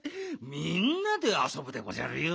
みんなであそぶでごじゃるよ。